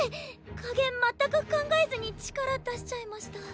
加減全く考えずに力出しちゃいました。